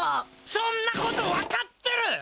そんなこと分かってる！